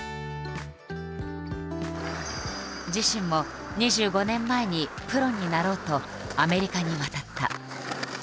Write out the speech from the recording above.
自身も２５年前にプロになろうとアメリカに渡った。